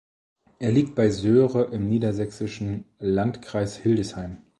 Er liegt bei Söhre im niedersächsischen Landkreis Hildesheim.